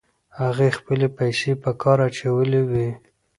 هغې خپلې پیسې په کار اچولې وې.